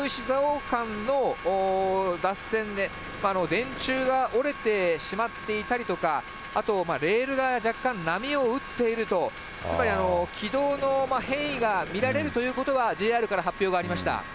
蔵王間の脱線で、電柱が折れてしまっていたりとか、あとレールが若干波を打っていると、つまり、軌道の変異が見られるということがＪＲから発表がありました。